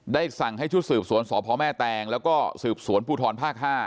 ได้สั่งให้ชุดสืบสวนสพแม่แตงแล้วก็สืบสวนพภ๕